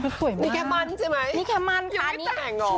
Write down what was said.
นี่เขาสวยมากมีแค่มันใช่ไหมนี่แค่มันค่ะอีกยังไม่แต่งเหรอครับ